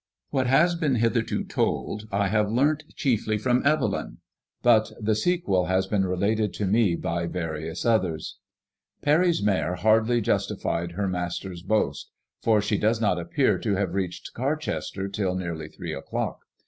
What has been hitherto told, I have learnt chiefly from Evelyn, I ut the sequel has been related to me by various others. Parry's mare hardly justified MADEMOISBLLE IX£. 177 her master's boast, for she does not appear to have reached Car Chester till nearly three o'clock.